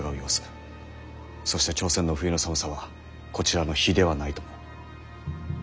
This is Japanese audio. そして朝鮮の冬の寒さはこちらの比ではないとも。